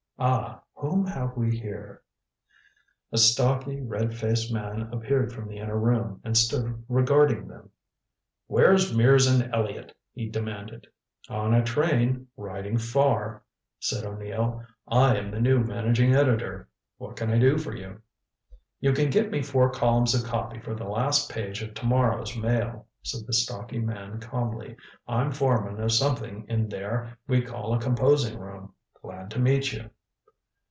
Ah, whom have we here?" A stocky, red faced man appeared from the inner room and stood regarding them. "Where's Mears and Elliott?" he demanded. "On a train, riding far," said O'Neill. "I am the new managing editor. What can I do for you?" "You can give me four columns of copy for the last page of to morrow's Mail," said the stocky man calmly. "I'm foreman of something in there we call a composing room. Glad to meet you."